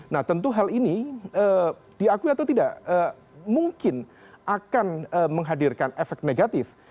nah tentu hal ini diakui atau tidak mungkin akan menghadirkan efek negatif